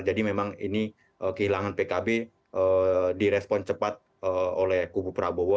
jadi memang ini kehilangan pkb direspon cepat oleh kubu prabowo